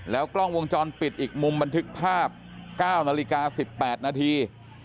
กล้องวงจรปิดอีกมุมบันทึกภาพ๙นาฬิกา๑๘นาที